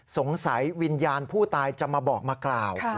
วิญญาณผู้ตายจะมาบอกมากล่าว